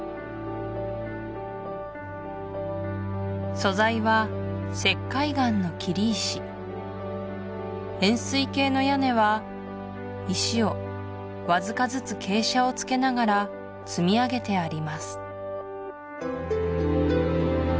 素材は石灰岩の切石円すい形の屋根は石をわずかずつ傾斜をつけながら積み上げてあります